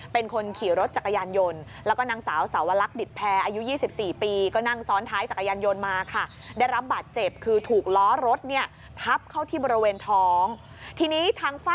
เป็นคนขี่รถจักรยานยนต์